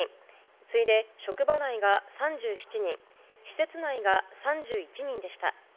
次いで職場内が３７人施設内が３１人でした。